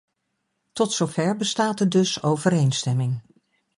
Tot zover bestaat er dus overeenstemming.